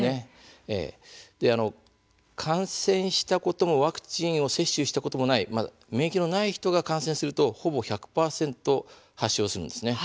感染した子どもワクチンを接種したことがない免疫のない人が感染するとほぼ１００％発症するんです。